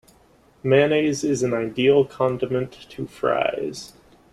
Mayonnaise is an ideal condiment to Fries.